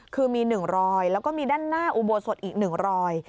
คือมีหนึ่งรอยแล้วก็มีด้านหน้าอุโบสถอีกหนึ่งรอย